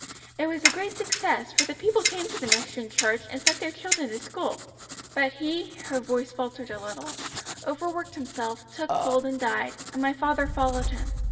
It was a great success, for the people came to the mission church and sent their children to school. But he " her voice faltered a little, "overworked himself, took cold and died, and my father followed him.